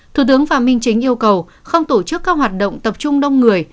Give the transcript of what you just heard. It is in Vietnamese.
thủ tướng phạm minh chính yêu cầu không tổ chức các hoạt động tập trung đông người